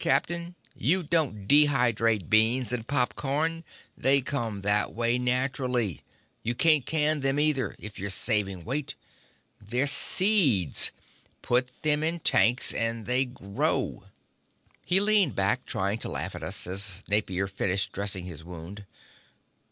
Captain, you don't dehydrate beans and pop corn they come that way naturally. You don't can them, either, if you're saving weight. They're seeds put them in tanks and they grow!" He leaned back, trying to laugh at us, as Napier finished dressing his wound.